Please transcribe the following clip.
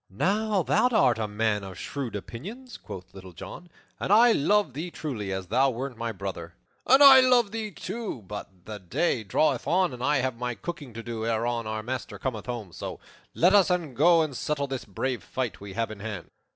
"Now thou art a man of shrewd opinions," quoth Little John, "and I love thee truly as thou wert my brother." "And I love thee, too. But the day draweth on, and I have my cooking to do ere our master cometh home; so let us e'en go and settle this brave fight we have in hand."